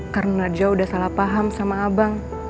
karena najwa udah salah paham sama abang